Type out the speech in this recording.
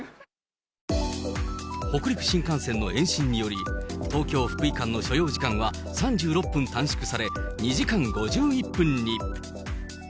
北陸新幹線の延伸により、東京・福井間の所要時間は３６分短縮され、２時間５１分に。